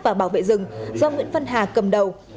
và bảo vệ rừng do nguyễn văn hà cầm đầu